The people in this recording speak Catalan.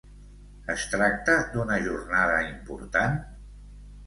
Es tracta d'una jornada important?